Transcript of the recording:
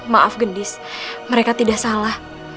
maaf gendis mereka tidak salah